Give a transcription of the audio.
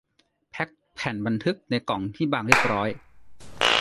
แพ็คแผ่นบันทึกในกล่องที่บางเรียบร้อย